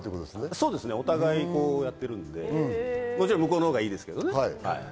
そうですね、お互いやってるので、もちろん向こうのほうがいいですけどね。